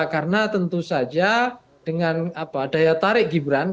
karena tentu saja dengan apa daya tarik gibran